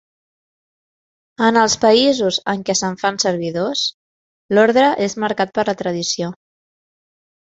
En els països en què se'n fan servir dos, l'ordre és marcat per la tradició.